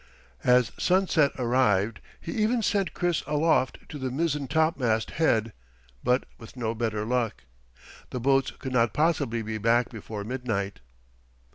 As sunset arrived, he even sent Chris aloft to the mizzen topmast head, but with no better luck. The boats could not possibly be back before midnight.